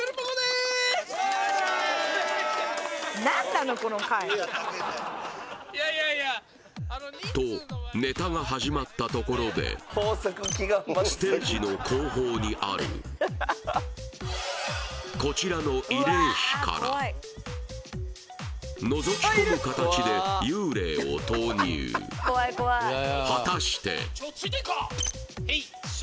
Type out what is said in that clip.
すいやいやいやとネタが始まったところでステージの後方にあるこちらの慰霊碑からのぞき込む形で果たしていっちょついていくかへい師匠